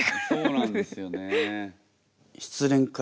そうなんですよね。